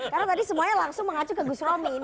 karena tadi semuanya langsung mengacu ke gus romi